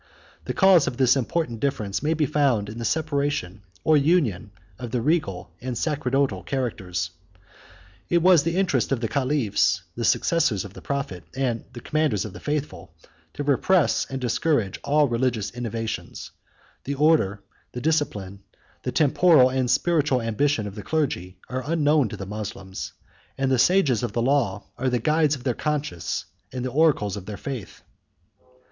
The cause of this important difference may be found in the separation or union of the regal and sacerdotal characters. It was the interest of the caliphs, the successors of the prophet and commanders of the faithful, to repress and discourage all religious innovations: the order, the discipline, the temporal and spiritual ambition of the clergy, are unknown to the Moslems; and the sages of the law are the guides of their conscience and the oracles of their faith.